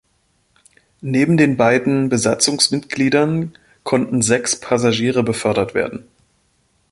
Neben den beiden Besatzungsmitgliedern konnten sechs Passagiere befördert werden.